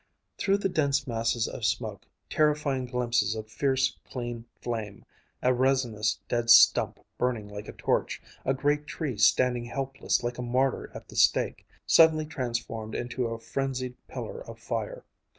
Through the dense masses of smoke, terrifying glimpses of fierce, clean flame; a resinous dead stump burning like a torch; a great tree standing helpless like a martyr at the stake, suddenly transformed into a frenzied pillar of fire....